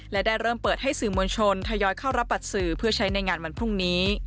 และได้เริ่มเปิดให้สื่อมวลชนทยอยเข้ารับบัตรสื่อเพื่อใช้ในงานวันพรุ่งนี้